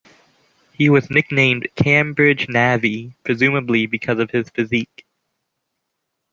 He was nicknamed "Cambridge Navvy", presumably because of his physique.